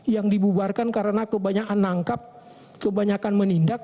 yang dibubarkan karena kebanyakan menangkap kebanyakan menindak